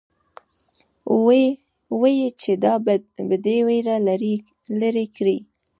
ويل يې چې دا به دې وېره لري کړي.